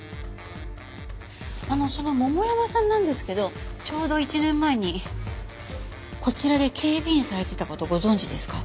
その桃山さんなんですけどちょうど１年前にこちらで警備員されてた事ご存じですか？